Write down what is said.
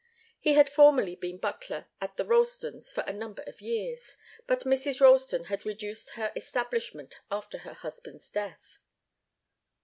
He had formerly been butler at the Ralstons' for a number of years, but Mrs. Ralston had reduced her establishment after her husband's death.